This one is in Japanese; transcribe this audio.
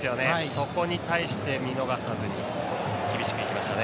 そこに対して見逃さずに厳しくいきましたね。